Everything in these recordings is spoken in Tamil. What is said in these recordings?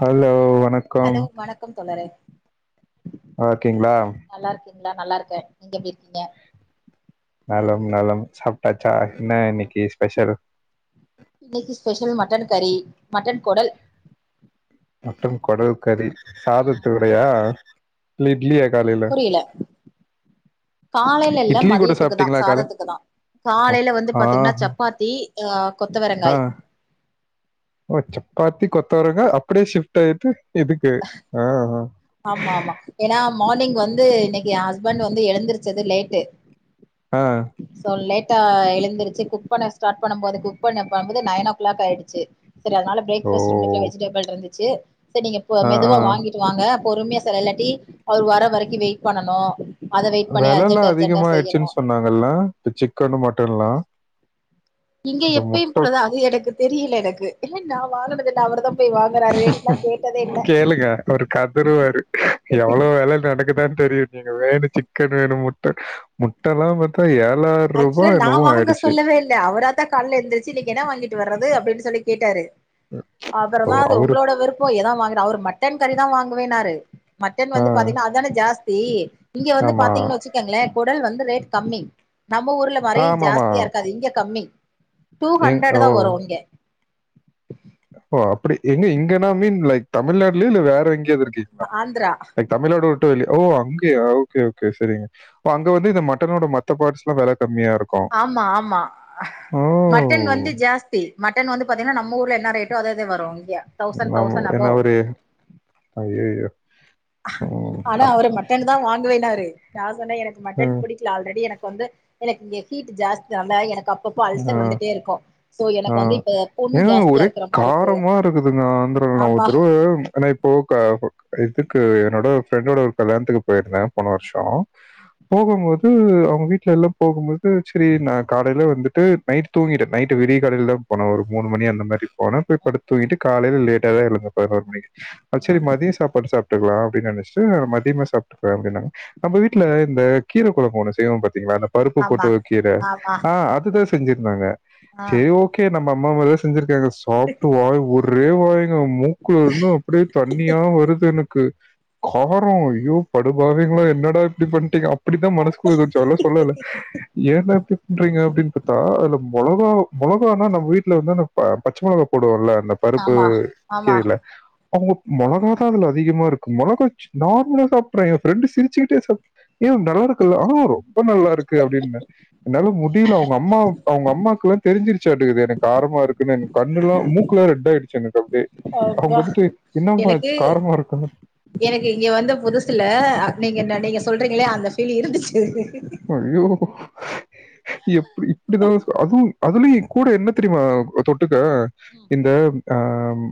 ஹலோ வணக் ஹலோ வணக்கம் தோழரே நல்லாருக்கீங்ளா நல்லா இருக்கீங்களா நல்லா இருக்கே நீங்க எப்டி இருக்கீங்க நலம் நலம் சாப்ட்டாச்சா என்ன இன்னக்கி ஸ்பெஷல் இன்னைக்கி ஸ்பெஷல் மட்டன் கறி மட்டன் கொடல் மட்டன் கொடல் கறி சாதத்தோடயா இல்ல இட்லியா காலைல் [unintelligible] காலைல இல்ல இட்லி கூட மதியத்துக்குதா சாப்பிட்டீங்களா காலை சாதத்துக்குதா ஓ, காலைல வந்து பாத்தீங்கன்னா ஆஹா. சப்பாத்தி ஆ ஆ கொத்தவரங்காய் ஓ சப்பாத்தி கொத்தவரங்கா அப்படியே ஷிப்ட் ஆயிட்டு இதுக்கு ஆ ஆ ஆமா ஆமா ஏன்னா மார்னிங் வந்து இன்னைக்கி யேன் ஹஸ்பண்ட் வந்து எழுந்திருச்சது லேட்டு ஆ சோ லேட்டா எழுந்திருச்சு குக் பண்ண ஸ்டார்ட் பண்ணும் போது குக் பண்ண போம்போது நைன் ஓ கிளாக் ஆயிடுச்சு செரி அதனால ஓ பிரேக்ஃபாஸ்ட் வீட்ல வெஜிடபிள் இருந்துச்சு சரி நீங்க ப ஆ ஆ மெதுவா வாங்கிட்டு வாங்க பொறுமையா செய்ற இல்லாட்டி அவரு வர வரைக்கு வெயிட் பண்ணனு அத வெயிட் பண்ணி அர்ஜெண்ட் அர்ஜெண்டா செய்யணு ங்கல்லா இ சிக்கனு மட்டன்லா இங்க எப்பயு போலதா அது எனக்கு தெரியல எனக்கு ஏ நா வாங்குனதுல்ல அவர்தா போய் வாங்கறாரு கேளுங்க அவரு கதறுவாரு எவ்ளோ வெல நடக்குதான்னு தெரியு நீங்க வேணு சிக்கன் வேணு முட்ட முட்டல்லா பாத்தா ஏழார்ருபா என்னமோ ஆயிடுச்சு இல்ல இல்ல அவரா த்தா கால்ல எந்திரிச்சு இன்னைக்கி என்ன வாங்கிட்டு வர்றது அப்டின்னு சொல்லி கேட்டாரு ஓ அப்புறமா அது அவரு உங்களோட விரு ப்போ எதா வாங்கினா அவர் மட்டன் கறிதா வாங்குவேன்னாரு மட்டன் ஆ வந்து பாத்தீங்கன்னா அதானே ஜாஸ்தி இங்க வந்து ஆமா பாத்தீங்கன்னு வச்சுக்கங்களே கொடல் வந்து ரேட் கம்மி நம்ம ஊர்ல மாரி ஆமாமா ஜாஸ்தியா இருக்காது இங்க கம்மி டூ எங் ஓ ஹண்ட்ரட்தா வரு இங்க ஓ அப்டி எங்க இங்கன்னா மீன் லைக் தமிழ்நாட்லய இல்ல வேற எங்கயாவது இருக்கீங்களா ஆந்திரா லைக் தமிழ்நாடு உட்டு வெளி ஓ அங்கயா ஓகே ஓகே சரிங் ப அங்க வந்து இந்த மட்னோட மத்த பார்ட்ஸ்ல்லா வெல கம்மியா இருக் ஆமா ஆமா மட்டன் வந்து ஜாஸ் தி மட்டன் வந்து பாத்தீங்கன்னா நம்ம ஊர்ல என்ன ரேட்டோ அதேது வரு இங்க தௌசண்ட் ஆமா தௌசண்ட் அபவ் என்ன ஒரு ஐயையோ ஆனா அவரு மட்டன் தா வாங்குவெனாரு நா சொன்னே எனக்கு மட்டன் பிடி ல்ல ஆல்ரெடி எனக்கு வந்து எனக்கு இங்க ஹீட் ஜாஸ்தினால எனக்கு அப் அப்பப்போ ஆ அல்சர் வந்துட்டே இருக்கோ சோ எனக்கு ஆ வந்து இப்ப புண்ணு ஜாஸ்தியா இருக்கற மார்க்கு [unintelligible] நா வந்துருக்கனு ஒரு தடவு இப்போ க இதுக்கு என்னோட ஃப்ரெண்டோட கல்யாணத்துக்கு போயிருந்தே போன வருஷோ போகம் போது அவங்க வீட்ல எல்லா போகம் போது சரி ந காலைல வந்து ட்டு நைட் தூங்கிட்ட நைட் விடிய காலைல தா போன ஒரு மூணு மணி அந்த மாரி போன போய் படுத்து தூங்கிட்டு காலையில லேட்டாதா எழுந்த பதினொரு மணி செரி மதியோ சாப்பாடு சாப் டுக்லா அப்டின்னு நெனச்சுட்டு மதியமே சாப்ட்டுக்கலா அப்டினாங் நம்ம வீட்டுல இந்த கீர குளம்பு ஒன்ணு செய்யவோ பாத்தீங்களா பருப்பு ஆமா போட்டு வைக் ஒரு கீர ஆமா ஆ அதுதா செஞ்சிருந்தாங்க ஆ கே நம்ம அம்மா மாரி செஞ்சிருக்காங்க சாப்ட்டு வாய் ஒ ரே வாய்ங்க மூக்குலந்து அப்டியே தண்ணியா வருது எனக்கு காரோ ஐயோ படுபாவிங்களா என்னடா இப்டி பண்ணிட்டீங்க அப்படித்தா மனசுக்கு குள்ளருந்துச்சு ஆனா சொல்லல ஏன்டா இப்டி பண்றீங்க அப்டின்னு பாத்தா அதுல மொளாகா மொளகனா நம்ம வீட்ல வந்து ப பச்ச மொளகா போடுவோம்ல அந்த பருப்பு ஆமா ஆமா கீரைல அவங்க மொளகா தா அதுல அதிகமா இருக்கு மொளகா நார்மலா சாப்பிடுறே என் ஃப்ரெண்டு சிரிச்சுக்கிட்டே சா ஏ நல்லா இருக்குல்ல ஆ ரொம்ப நல்லா இருக்கு அப்டின்ன என்னால முடில அவங்க அம்மா அவங்க அம்மாவுக்கெல்லா தெரிஞ்சிருச்சாற்றுக்கு எனக்கு காரமா இருக்குன்னு எனக் கன்னெல்ல மூக்குலா ரெட் ஆயிடுச்சு எனக்கு அவங்க அப்பா வந்துட்டு என்னபா எனக்கு ஆச்சு காரமா இருக்குன்னு எனக்கு இங்க வந்த புதுசுல நீங்க நீங்க சொல்றீங்களா அந்த பீல் இருந்துச்சு ஐயோ எப்ப இப்படிதா அதுவு அதுலயு கூட என்ன தெரிமா தொட்டுக்க இந்த ஆ ம்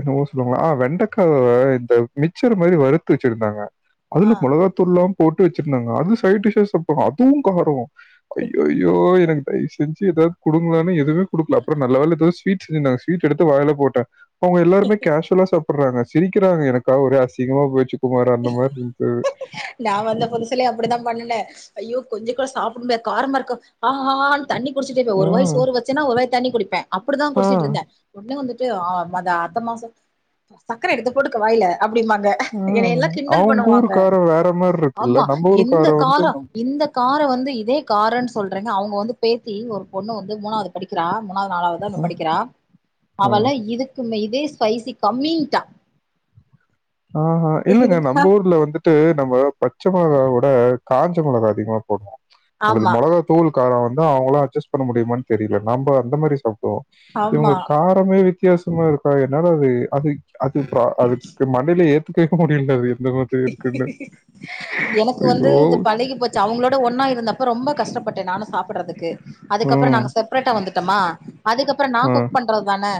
என்னவோ சொல்லுவாங்கள ஆ வெண்டக்காவ இந்த மிச்சர் மாரி வறுத்து வச்சிருந்தாங்க அதுல ஆ மொளகாத்தூள்லா போட்டு வச்சிருந்தாங்க அது சைட்டீஷா சாப்ட்றாங்க அதுவு காரொ ஐயோயோ எனக்கு தயவு செஞ்சி ஏதாது குடுங்களலான்ன எதுமே குடுக்கல அப்றோ நல்ல வேல எதோ ஸ்வீட் செஞ்சுருந்தாங்க ஸ்வீட் எடுத்து வாய்ல போட்ட அவங்க எல்லாருமே கேஷ் வல்லா சாப்டுறாங்க சிரிக்கிறாங்க எனக்கா ஒரே அசிங்கமா போயிச்சு குமாரு அந்த மாரி இருந்துது நா வந்த புதுசிலயு அப்டித்தா பன்னுனே ஐயோ கொஞ்ச கூட சாப்டமுடியாது காரமா இருக்கு ஆ ஆ னு தண்ணி குடிச்சிட்ருப்ப ஆ, ஒரு வாய் சோறு வச்சனா ஒரு வாய் தண்ணி குடிப்ப அப்டிதா ஆ, குடிச்சிட்டுந்தே ஒடனே வந்துட்டு ஆ மத அத்தமா சொ சக்கர எடுத்து போட்டுக்க வாய்ல அப்டிமாங்க ஆ அவுங்க ஊருக்காரொ வேற மாரி இருக்குல்ல ஆமா நம்ம ஊருக்காரொ வந்து நம் இந்த காரோ வந்து இதே காரன்னு சொல்றங்க அவுங்க வந்து பேத்தி ஒரு பொண்ணு வந்து மூணாது படிக்கிறா மூணாது நாளாவது தா அ, படிக்கிறா ஆ. அவளா இதுக் குமே இதே ஸ்பைசி கம்மின் ட்டா ஆ ஹா இல்லங்க இதுக்கா நம்மூர்ல வந்துட்டு நம்ம பச்ச மொளகா விட காஞ்ச மிளகா அதிகமா போடுறோ [unintelligible] ஆமா மொளகா தூளுகாரொ வந்து அவுங்களா அஜஸ் பண்ண முடிமான் தெரில நம்ம அந்த மாரி சாப்டுவோ இவுங்க ஆமா கார் எல்லாமே வித்தியாசமா இருக்கா என்னால அது அது அது அதுக்கு மட்டு கேக்க முடியில அது எந்த மாதிரி இருக்குன்னு ஐயோ அவுங்களோட ஒன்னா இருந்தப்ப ரொம்ப கஷ்டப்பட்டே நானு சாப்படறதுக்கு அதுக்கப்பறொ ம். நாங்க செப்ரெட்டா வந்து ட்டமா அதுக்கப்பறொ நா அ, குக் பண்றது தானே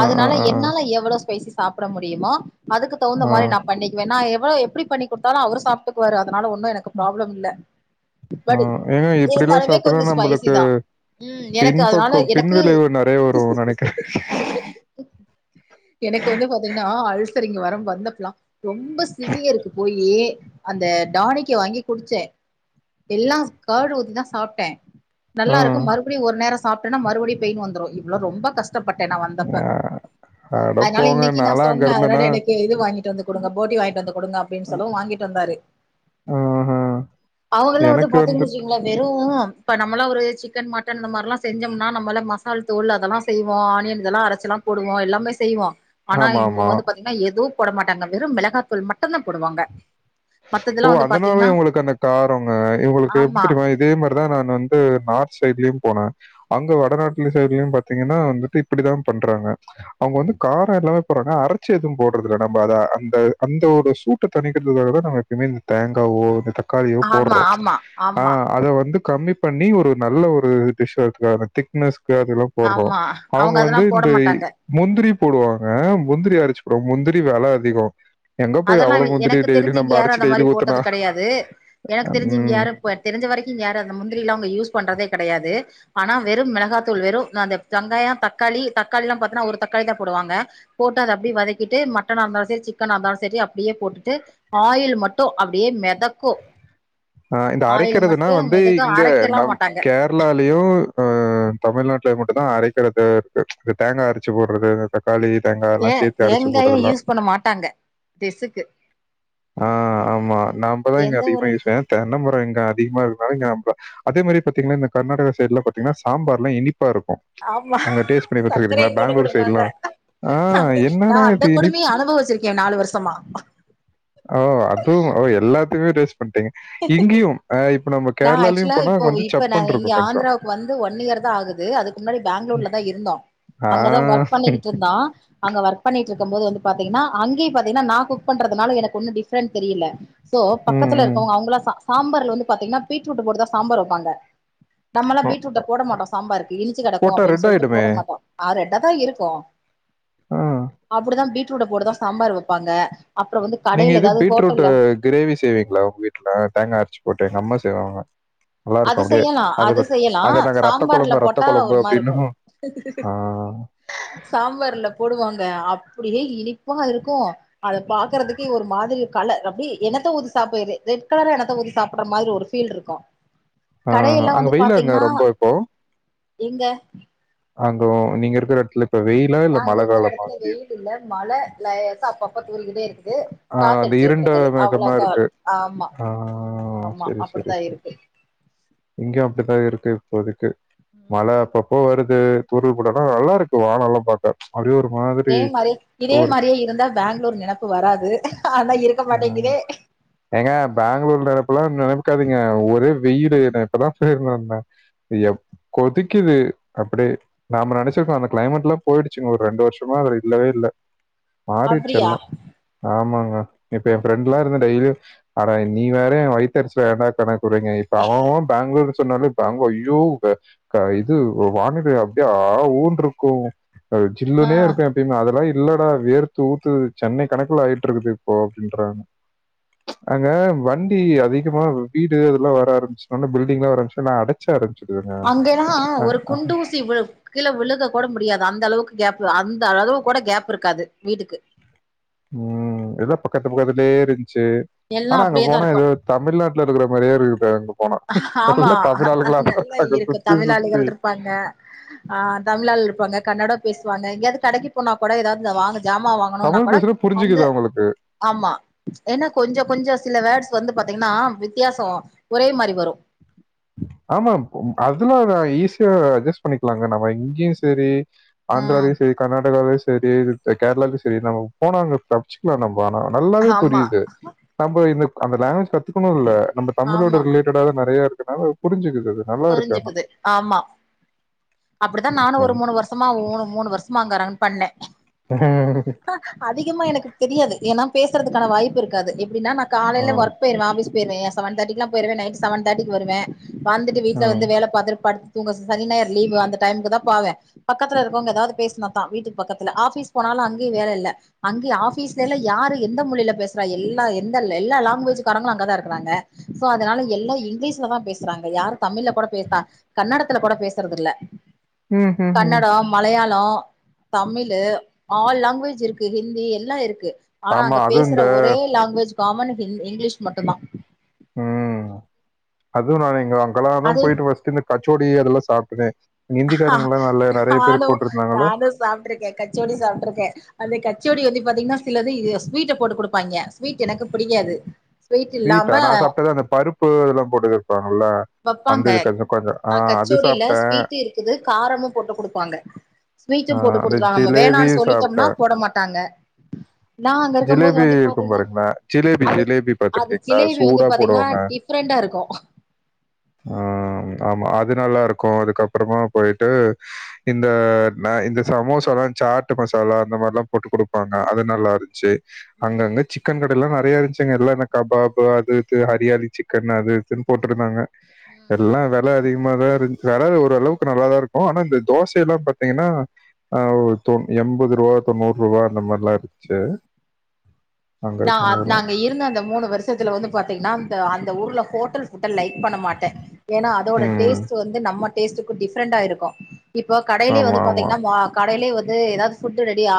அ, அ, அதனால அ, என்னால எவ்ளோ ஸ்பைசி சாப்ட முடியுமோ அதுக்கு தகுந்த அ, மாரி நா பண்ணிக் க்குவ நா எவ்ளோ எப்டி பண்ணி குடுத்தாலு அவரு சாப்ட்டுக்குவாரு அதனால ஒன்னு எனக்கு ப்ராப்ளம் இல்ல ஆ பட் ஏங்க இப்டிலா இருந்தாலுமே சாப்ட்டோனா கொஞ்சோ ஸ்பைசி நம்பளுக்கு தா ம் எனக்கு அதனால பின்பக்கொ எனக்கு பின்வெளைவு நெறையா வரு நெனைக்கிறே எனக்கு வந்து பாத்தீங்கனா அல்சரிங்க வர வந்தப்பலா ரொம்ப சிவியருக்கு போயி அந்த டானிக்க வாங்கி குடிச்சே எல்லா கர்டு ஊத்திதா சாப்ட்டே ஆ. நல்லாருக்கு மறுபடி ஒரு நேர சாப்ட்டேன்னா மறுபடியு பெயின் வந்துரு இவ்ளோ ரொம்ப கஷ்டப்பட்டே நா வந்தப்ப அட அதனால போங்க! இன்னுக்கு நா நான்லாம் அங்க சொன்னே அதனால இருந்தேன்னா எனக்கு இது வாங்கிட்டு வந்து குடுங்க போட்டி வாங்கிட்டு வந்து குடுங்க அப்டினு அ சொல்லவு வாங்கிட்டு வந்தாரு ஆஹ. அவுங்கல்லா வந்து எனக்கு பாத்தீங்கன்னு வந்துட்டு வச்சுங்களே வெறு இப்ப நம்மல்லா ஒரு சிக்கன் மட்டன் இந்த மாரிலா செஞ்சோமுனா நம்மலா மசால் தூள் அதெல்லா செய்வோ ஆனியன் இதல்லா அரைச்செலா போடுவோ எல்லாமே செய்வோ ஆனா ஆமா, ஆமா. இவுங்க வந்து பாத்தீங்கனா எதும் போட மாட்டாங்க வெறு மெளகாத்தூள் மட்டுந்தா போடுவாங்க ஓ மத்ததெல்லா வந்து அதனால பாத்தீங்கன்னா இவுங்களுக்கு அந்த காரங்க இவுங்களுக்கு எப்டி ஆமா தெரியுமா இதே மாரிதா நா வந்து நார்த் சைட்லயு போனே அங்க வடநாட்டுல சைடுலயு பாத்தீங்கனா வந்துட்டு இப்டித்தா பண்றாங்க அவுங்க வந்து காரொ எல்லாமே போறாங்க அரச்சு எதுவு போடுறதுல நம்ம அத அந்த அந்த ஒரு சூட்ட தனிக்கிறதுக்காகதா நம்ம எப்பயிமே இந்த தேங்காவோ இந்த தக்காளியோ ஆமா போட்றோ ஆமா ஆ ஆமா அத வந்து கம்மி பண்ணி ஒரு நல்ல ஒரு டிஷ்ஷ அதுக்கான திக்னஸ்க்காகறம் போட்றோ ஆமா அவுங்க அவங்க வந்து அதெல்லா போட இந்த மாட்டாங்க முந்திரி போடுவாங்க முந்திரி அரச்சு போடுவாங்க முந்திரி வெல அதிகொ அதெல்லா எனக்கு தெரிஞ்சி இங்க யாரு அந்த டெய்லி மாரி போட்டது ஊத்துனா கெடையாது எனக்கு தெரிஞ்சி இங்க ம், யாரு ப்ப தெரிஞ்ச வரைக்கு யாரு அந்த முந்திரலா அவுங்க யூஸ் பண்றதே கெடையாது ஆனா வெறு மெளகாத்தூள் வெறு அந்த வெங்காய தக்காளி தக்காளிலா பாத்தீன்னா ஒரு தக்காளி தா போடுவாங்க போட்டு அத அப்டியே வதக்கிட்டு மட்டனா இருந்தாலு சேரி சிக்கன் இருந்தாலு சேரி அப்டியே போட்டுட்டு ஆயில் மட்டு அப்டியே மெதக்கு ஆ இந்த ஆயில் அரக்கிறதுனா மட்டு வந்து மெதக்கு இங்க அரைக்கலா நம் மாட்டாங்க கேர் ளாலயு தமிழ்நாட்லயு மட்டுந்தா அரைக்கிறது இருக்கு இது தேங்கா அரச்சு போட்றது தக்காளி தேங்காயெல்லா தே சேத்து அரச்சு போட்றதெல்லா [unintelligible] பண்ண மாட்டாங்க டெசுக்கு ஆ ஆமா நம்மதா இங்க எந்த அதிகமா ஒரு யூஸே தென்ன மரொ இங்க அதிகமா இருந்தா இங்க அப்ப அதே மாரி பாத்தீங்கன்னா இந்த கர்நாடக சைட்லா பாத்தீங்கன்னா சாம்பார்ல்லா இனிப்பா இருக்கு ஆமா சக்கரைய போட்டு குடுப்பாங்க சைடுலாம் ஆஹ் அந்த நா என்னடா அந்த இது இனி கொடுமைய அனுபவிச்சிருக்கே நாலு வருஷமா ஓ அதும் எல்லாத்துக்குமே டேஸ்ட் பண்ட்டீங்க இங்கயு ஆ இப்ப நம்ம நா கேரளாலியு ஆக்சுவலா போனா இப்போ வந்து இப்ப நா சப்புன்னுருக்கும் இங்க ஆந்திராவுக்கு வந்து ஒன் இயர் தான் ஆகுது அதுக்கு முன்னாடி பாங்களூர்ல தா இருந்தோம் ஆ. அங்கதா ஒர்க் பண்ணிட்டு இருந்தோ அங்க ஒர்க் பண்ணிட்டு இருக்கும் போது வந்து பாத்தீங்கன்னா அங்கயு பாத்தீங்கனா நா குக் பண்றதுனால எனக்கு ஒன்னும் டிஃப்ரெண்ட் தெரியல சோ ம், பக்கத்துல ம். இருக்கவங்க அவங்களாம் சாம்பார்ல வந்து பாத்தீங்கன்னா பீட்ரூட்ட போட்டுதா சாம்பார் வைப்பாங்க நம்மல்லா ஒ பீட்ருட்ட ஒ போட மாட்டோ சாம்பாருக்கு இனிச்சு கெடக்கு போட்டா அப்டின் ரெட் சொல்லிட்டு ஆயிடுமே! போட மாட்டோ ஆ ரெட்ட தா இருக்கு ஆ. அப்டிதா பீட்ரூட்ட போட்டு தா சாம்பார் வப்பாங்க அப்றோ வந்து நீங்க கடைல இது ஏதாவது பீட்ரூட் ஹோட்டல்ல கிரேவி செய்வீங்களா உங்க வீட்ல தேங்காய் அரச்சு போட்டு எங்க அம்மா செய்வாங்க நல்லாருக்கு அது அப்டியே செய்யலா அது ந செய்யலா அத நாங்க ரத்த சாம்பார்ல கொழம்பு ரத்த போட்டா கொழம்பு ஒரு மாரி இருக்கு அப்டின்னுவோ சாம்பார்ல போடுவாங்க அப்டியே இனிப்பா இருக்கு அத பாக்குறதுக்கே ஒரு மாதிரி கலர் அப்டியே எனத்த ஊத்தி சாப்பி ரெட் கலர் எனத்த ஊத்தி சாப்பிற மாதிரி ஒரு பீல்ருக்கு ஆ. கடையெல்ல அங்க வந்து வெயிலா அங்க பாத்தீங்கன்னா ரொம்ப இப்போ? எங்க அங்க நீங்க இருக்கிற இடத்துல இப்ப வெயிலா இல்ல நாங்க மழ இருக்கிற காலமா இடத்துல கிளை வெயில் இல்ல மழ லேசா அப்பப்ப தூறிக்கிட்டேருக்குது ஆ அந்த இருண்ட காத்தடிச்சுக்கிட்டுருக்குது மேகமா அவ்ளோக்கா இருக்கு. ஆமா ஆ ஆமா அப்டித்தா இருக்கு இங்கேயு அப்டிதா இருக்கு இப்போதைக்கு மழ ம் அப்பப்போ வருது ஊருக்கு போனனா நல்லாருக்கு வானமெல்லா பாக்க அப்டியே ஒரு மாரி இதே மாரியே இதே மாதிரியே இருந்தா பேங்ளூர் நெனப்பு வராது ஆனா இருக் ஆ ஏங்க பேங்ளூர்ல இப்பெல்லா நெனைக்காதீங்க ஒரே வெயிலு நா இப்பதா போய்ந்திருந்தே ஐயோ கொதிக்குது அப்டியே நாம நெனச்சிருக்க அந்த கிளைமட் எல்லா போய்டுச்சுங்க ஒரு ரெண்டு வருஷமா அது இல்லவே இல்ல மாறிடுச்சி அப்படியா எல்லா ஆமாங்க இப்ப என் ஃப்ரெண்ட்ல்லா இருக்கா டெய்லியு அட நீ வேற வயித்தெரிச்சல ஏண்டா கணக்கு புரிங்க இப்ப அவெ அவெ பேங்ளூர் சொன்னாலே அங்க ஐயோ அ இது வானிலை ஆ ஊன்ருக்கு அ ஆ ஜில்லுனேருக்கு எப்பயுமே அதெல்லா இல்லடா வேர்த்து ஊத்துது சென்னை கணக்குல ஆய்ட்டுருக்குது இப்ப அப்டின்றாங்க அங்க வண்டி அதிகமா வீடு இதெல்லா வர ஆரம்பிச்சனால பில்டிங் எல்லா வர ஆம்பிச்சனால அடை செரி சேரிங்க ஆ ஆ கீழ விழு விழுக கூட முடியாது அந்த அளவுக்கு கேப் அந்த அளவுக்கு கூட கேப்ருக்காது வீட்டுக்கு ம் எதோ பக்கத்து பக்கத்துலே இருந்துச்சு எல்லா ஆனா அங்க அப்டியேதா போனா இருக்கு ஏதோ தமிழ்நாட்டுல இருக்கிற மாரியே இருக்குது அங்க போன ஆமா எல்லா தமிழ் ஆள்களாதாருக்காங்க சுத்தி சுத்தி அ ஆ தமிழாள் இருப்பாங்க கன்னடம் பேசுவாங்க எங்கேயாது கடைக்கு போனா கூட ஏதாது இங்க ஜாமா வாங்க போணோனா தமிழ் கூட பேசுறது அந்த புரிஞ்சுக்குது அவங்களுக்கு. ஆமா ஏன்னா கொஞ்சோ கொஞ்சோ சில வேர்ட்ஸ் வந்து பாத்தீங்கன்னா வித்தியாசோ ஒரே மாரி வரு ஆமா ஒ அதெல்லா நா ஈஸியா அட்ஜஸ்ட் பண்ணிக்கலாங்க நம்ம இங்கயு செரி ம் ஆந்திராலயு செரி கர்நாடகாலயு செரி கேரளாலயு செரி நம்ம நம்ம போனா அங்க தப்ச்சிக்கலா நம் ஆனா நல்லாவே ஆமா புரிது நம்ம இந்த அந்த லாங்குவேஜ் கத்துக்கனுனு இல்ல நம்ம தமிழோட ஆமா ரிலேட் டடாவே நறைய இருக்கனால புரிஞ்சுக்குது அது இருக்கு ஆனா. புரிஞ்சுக்குது ஆமா அப்டித்தா நானு ஒரு ம். மூணு வரு சமா மூணு மூணு வருசமா அங்க ரன் பண்ணே அதிகமா எனக்கு தெரியாது ஏன்னா பேசுறதுக்கான வாய்ப்புருக்காது எப்டினா நா ஆ. காலைல ஒர்க் போய்ருவெ ஆஃபிஸ் போய்ருவெ எ செவன் தேட்டிக்குல்லா போய்ருவெ நைட் செவன் தேட்டிக்கு வருவே வந்துட்டு வீட்ல ம். வந்து வேல பாத்துட்டு படுத் இவுங்க சனி ஞாயிறு லீவு அந்த டைமுக்கு தா போவே பக்கத்துல இருக்கவங்க ஏதாவது பேசுனா தா வீட்டுக்கு பக்கத்துல ஆஃபீஸ் போனாலு அங்கயு வேல இல்ல அங்க ஆஃபீஸ்ல எல்லா யாரு எந்த மொழில பேசறா எல்லா எந்த எல்லா லாங்குவேஜ் காரங்களும் அங்கதா இருக்கறாங்க சோ அதனால எல்லா இங்கிலீஷ்லதா பேசறாங்க யாரும் தமிழ்ல கூட பேஸ்லா கன்னடத்துல கூட பேசறது இல்ல ம். ம். ம். கன்னடோம் மலையாளோ தமிழு ஆல் லாங்குவேஜ் இருக்கு ஹிந்தி எல்லா இருக்கு ஆனா ஆமா. அங்க அதுவும் பேசற இந்த ஒரே லாங்குவேஜ் காமன் ஹி இங்கிலீஷ் மட்டுந்தா ம் அதுவு நா இங்க அங்கல்லா தா அது போயிட்டு ஃபர்ஸ்ட்டு இந்த கச்சோடி அதெல்லா சாப்ட்டனே இங்க ஹிந்தி காரங்கல்லா நல்ல நறைய பேரு போட்டுருந்தாங்ல்ல சாப்ட்ருக்க கச்சோடி சாப்ட்ருக்க அந்த கச்சோடி வந்து பாத்தீங்ன்னா சிலது ஸ்வீட்ட போட்டு குடுப்பாய்ங்க ஸ்வீட் எனக்கு புடிக்காது ஸ்வீட்டா நா சாப்ட்டது அந்த பருப்பு அதெல்லா போட்டு இருப்பாங்கல்ல வப்பாங்க அந்த இது தங்க கொஞ்சோ அ அது சாப்ட்ட இது காரமு போட்டு குடுப்பாங்க ஸ்வீட்டும் போட்டு ஆஹ் அந்த குடுத்துருவாங்க நம்ம ஜிலேபி வேணானு சொல்லிட்டம்னா சாப்பிட்டேன் போட மாட்டாங்க நா அங்க இருக்கும் போது ஜிலேபி வந்து இருக்கும் பாத்தீங்ன்னா பாருங்களேன் ஜிலேபி அது ஜிலேபி அது பார்த்துருக்கீங்களா ஜிலேபி வந்து சூடா பாத்தீங்ன்னா போடுவாங்க டிஃப் ரண்டா இருக்கும் ஆ ஆமா அது நல்லாருக்கு அதுக்கப்பறமா போயிட்டு இந்த நா இந்த சமோசால்லா சாட்டு மசாலா அந்த மாறில்லா போட்டு குடுப்பாங்க அது நல்லாருன் ச்சி அங்க ம் அங்க சிக்கன் க எல்லா நெறைய இருன்ச்சிங்க எல்லா இந்த கபாப்பு அது இது ஹரியாலி சிக்கன் அது இதுன்னு போட்ருந்தாங்க எல்லா வெல அதிகமாதா இருன் யாராது ஓரளவுக்கு நல்லாதா இருக்கும் ஆனா இந்த தோசயெல்லா பாத்தீங்கன்னா அ ஒரு தொ எம்பது ரூபா தொண்ணூற் ரூபா அந்த மாறில்லா இருன்ச்சு நா நா அங்க இருந்த அந்த மூனு வருஷத்துல வந்து பாத்தீங்ன்னா அந்த அந்த ஊர்ல ஹோட்டல்ஸ் ஃபுட்ட லைக் பண்ண மாட்ட ஏன்னா அதோட ம். டேஸ்ட்டு வந்து நம்ம டேஸ்ட்டுக்கு டிஃப்ரெண்டா இருக்கும் இப்ப கடையிலே ஆமா, வந்து ஆமா. பாத்தீங்ன்னா வா கடையிலே வந்து ஏதாவது ஃபுட் ரெடியா